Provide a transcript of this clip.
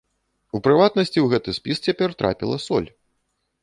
У прыватнасці, у гэты спіс цяпер трапіла соль.